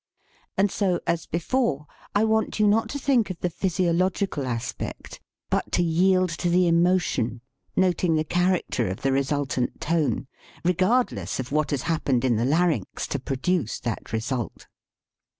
And so, as before, I want you not to think of the physiological aspect, but to yield to the emotion, noting the character of the resultant tone, regard less of what has happened in the larynx to produce that result.